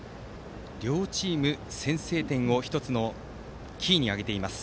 両チーム、先制点を１つのキーに挙げています。